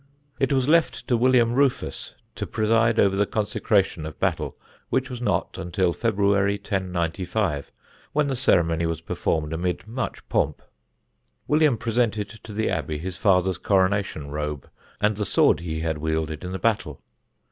It was left to William Rufus to preside over the consecration of Battle, which was not until February, 1095, when the ceremony was performed amid much pomp. William presented to the Abbey his father's coronation robe and the sword he had wielded in the battle.